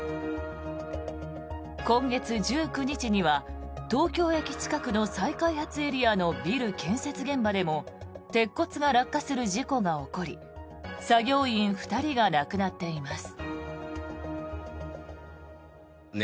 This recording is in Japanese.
今月１９日には東京駅近くの再開発エリアのビル建設現場でも鉄骨が落下する事故が起こり作業員２人が亡くなっています。